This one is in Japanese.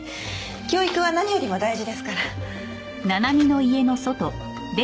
教育は何よりも大事ですから。